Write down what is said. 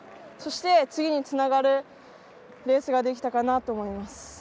そして次につながるレースができたかなと思います。